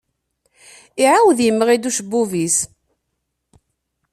Iɛawed yemɣi-d ucebbub-nnes.